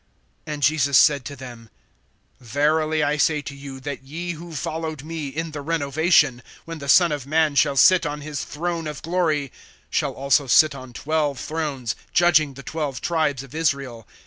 (28)And Jesus said to them: Verily I say to you, that ye who followed me, in the renovation, when the Son of man shall sit on his throne of glory, shall also sit on twelve thrones, judging the twelve tribes of Israel.